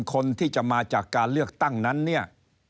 คนที่จะมาจากการเลือกตั้งนั้นเนี่ย